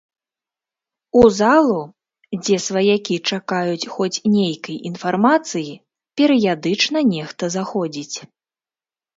У залу, дзе сваякі чакаюць хоць нейкай інфармацыі, перыядычна нехта заходзіць.